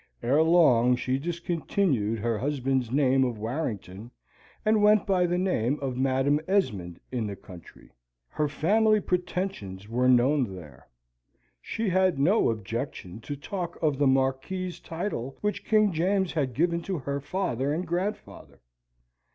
Ere long she discontinued her husband's name of Warrington and went by the name of Madam Esmond in the country. Her family pretensions were known there. She had no objection to talk of the Marquis's title which King James had given to her father and grandfather.